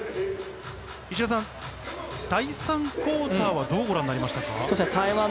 石田さん、第３クオーターはどうご覧になりましたか？